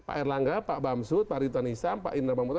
pak erlangga pak bamsud pak ridwan nisam pak indra bambut